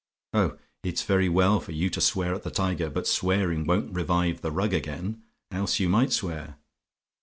Oh, it's very well for you to swear at the tiger, but swearing won't revive the rug again. Else you might swear.